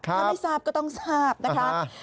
ถ้าไม่ทราบก็ต้องทราบนะคะ